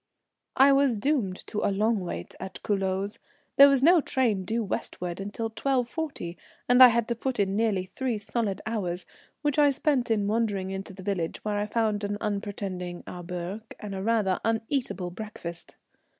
I was doomed to a long wait at Culoz. There was no train due westward till 12.40, and I had to put in nearly three solid hours, which I spent in wandering into the village, where I found an unpretending auberge and a rather uneatable breakfast.